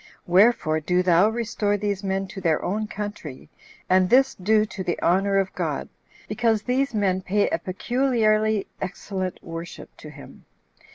Wherefore do thou restore these men to their own country, and this do to the honor of God, because these men pay a peculiarly excellent worship to him.